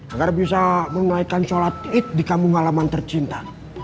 agar bisa menunaikan sholat id di kampung halaman tercinta